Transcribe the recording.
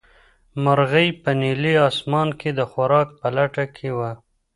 مرغۍ په نیلي اسمان کې د خوراک په لټه کې وه.